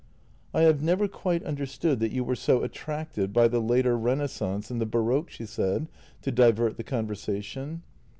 " I have never quite understood that you were so attracted by the later renaissance and the baroque," she said, to divert the conversation.